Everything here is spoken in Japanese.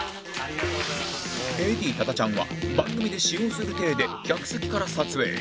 ＡＤ 多田ちゃんは番組で使用する体で客席から撮影